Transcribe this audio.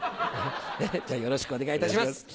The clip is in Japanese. じゃあよろしくお願いいたします。